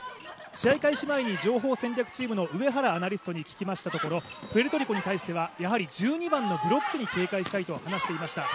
試合開始前に情報戦略チームの上原アナリストに聞きましたところプエルトリコに対しては、１２番のブロックに警戒したいと話していました。